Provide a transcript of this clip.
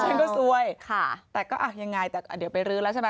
ฉันก็ซวยค่ะแต่ก็อ่ะยังไงแต่เดี๋ยวไปรื้อแล้วใช่ไหม